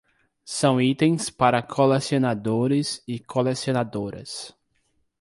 São itens para colecionadores e colecionadoras